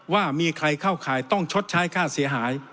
ว่ามีใครเข้าข่ายต้องชดใช้ค่าเสียหาย